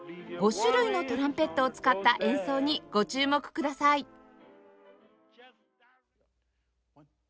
５種類のトランペットを使った演奏にご注目ください